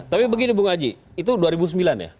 tapi begini bung aji itu dua ribu sembilan ya